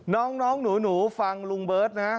น้องหนูฟังลุงเบิร์ตนะ